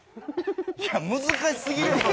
いや難しすぎるやろ。